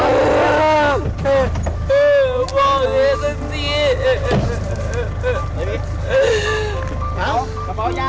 อ๋าวขับเปาหญ้าใครอ่ะ